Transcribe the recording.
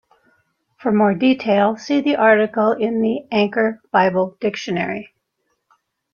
For more detail, see the article in the "Anchor Bible Dictionary".